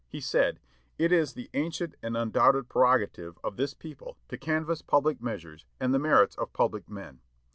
He said, "It is the ancient and undoubted prerogative of this people to canvas public measures and the merits of public men.